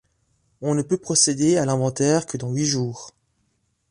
On ne peut procéder à l’inventaire que dans huit jours.